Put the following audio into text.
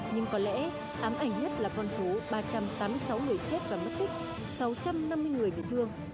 nhưng có lẽ ám ảnh nhất là con số ba trăm tám mươi sáu người chết và mất tích sáu trăm năm mươi người bị thương